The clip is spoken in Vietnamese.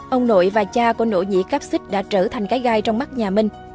ông nội và cha của nỗ nhĩ cáp xích đã trở thành cái gai trong mắt nhà minh